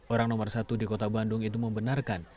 orang nomor satu di kota bandung itu membenarkan